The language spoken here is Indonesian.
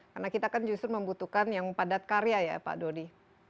karena kita kan justru membutuhkan yang padat karya ya pak dodi